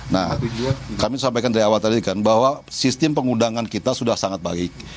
nah kami sampaikan dari awal tadi kan bahwa sistem pengundangan kita sudah sangat baik